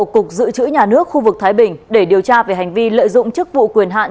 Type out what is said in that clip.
cục dự trữ nhà nước khu vực thái bình để điều tra về hành vi lợi dụng chức vụ quyền hạn